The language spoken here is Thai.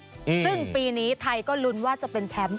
ซึ่งปีนี้ไทยก็ลุ้นว่าจะเป็นแชมป์